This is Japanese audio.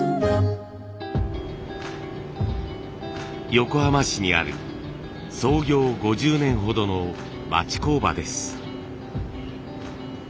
横浜市にある創業５０年ほどの町工場です。